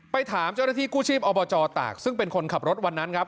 ถามเจ้าหน้าที่กู้ชีพอบจตากซึ่งเป็นคนขับรถวันนั้นครับ